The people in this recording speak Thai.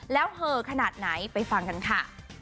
แล้วเหอขนาดไหนไปฟังกันค่ะ